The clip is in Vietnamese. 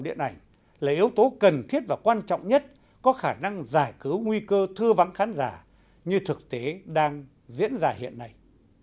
điện ảnh là yếu tố cần thiết và quan trọng nhất có khả năng giải cứu nguy cơ thư vắng khán giả như thực tế đang diễn ra hiện nay